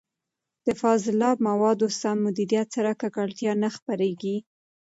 د فاضله موادو سم مديريت سره، ککړتيا نه خپرېږي.